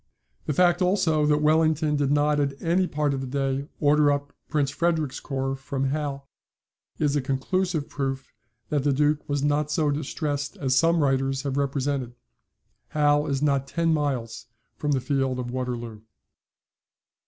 The fact, also, that Wellington did not at any part of the day order up Prince Frederick's corps from Hal, is a conclusive proof that the Duke was not so distressed as some writers have represented. Hal is not ten miles from the field of Waterloo.